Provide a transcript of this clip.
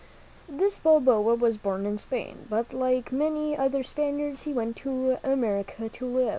This Balboa was born in Spain; but like many other Spaniards, he went to America to live.